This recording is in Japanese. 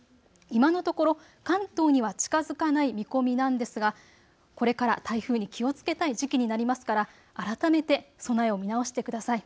今のところ関東には近づかない見込みなんですがこれから台風に気をつけたい時期になりますから改めて備えを見直してください。